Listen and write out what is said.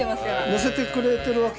載せてくれてるわけ？